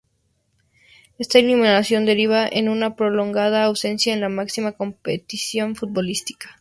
Esta eliminación derivaría en una prolongada ausencia en la máxima competición futbolística.